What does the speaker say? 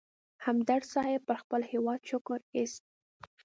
همدرد صیب پر خپل هېواد شکر اېست.